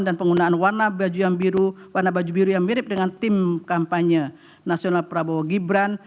penggunaan warna baju yang biru warna baju biru yang mirip dengan tim kampanye nasional prabowo gibran